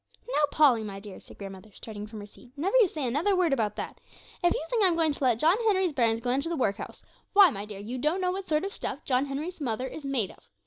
'Now, Polly, my dear,' said grandmother, starting from her seat, 'never you say another word about that. If you think I'm going to let John Henry's bairns go into the Workhouse, why, my dear, you don't know what sort of stuff John Henry's mother is made of!